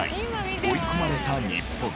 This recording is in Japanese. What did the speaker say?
追い込まれた日本。